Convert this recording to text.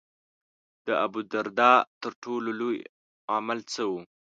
د ابوالدرداء تر ټولو لوی عمل څه و.